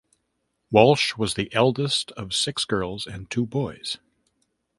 Walsh was the eldest of six girls and two boys.